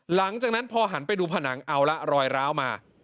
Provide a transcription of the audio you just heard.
หลังจากนั้นพอหันไปดูผนังเอาละรอยร้าวมา